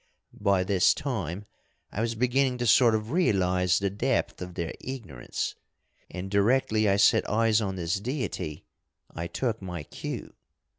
By this time I was beginning to sort of realise the depth of their ignorance, and directly I set eyes on this deity I took my cue.